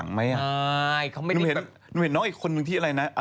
ทำไมอะนึกมะเห็นเอี๊ยน้องอีกคนนึงที่อะไรนะ